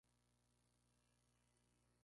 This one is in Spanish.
Flanagan nació en Bryn Mawr, Pensilvania.